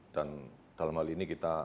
dan dalam hal ini kita